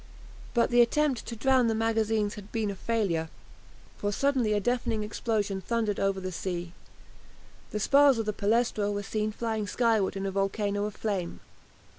But the attempt to drown the magazines had been a failure, for suddenly a deafening explosion thundered over the sea, the spars of the "Palestro" were seen flying skyward in a volcano of flame.